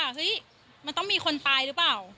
คิดเลยว่ามันต้องมีคนตายหรือเปล่า